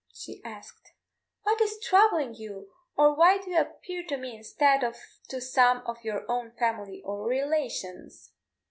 she asked, "what is troubling you, or why do you appear to me instead of to some of your own family or relations?"